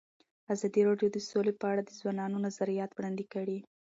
ازادي راډیو د سوله په اړه د ځوانانو نظریات وړاندې کړي.